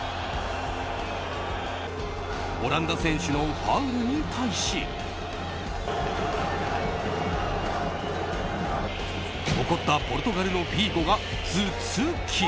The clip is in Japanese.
オランダ選手のファウルに対し怒ったポルトガルのフィーゴが頭突き。